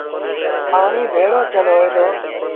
پآڻيٚ ڀيڙو ٿيٚل هوئي دو۔